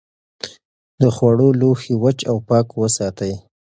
د خوړو لوښي وچ او پاک وساتئ.